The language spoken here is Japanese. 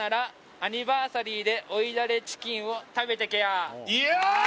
「アニバーサリーで美味だれチキンを食べてけやー！」